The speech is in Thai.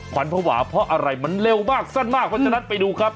ขวัญภาวะเพราะอะไรมันเร็วมากสั้นมากเพราะฉะนั้นไปดูครับ